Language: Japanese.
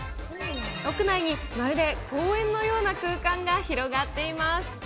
屋内にまるで公園のような空間が広がっています。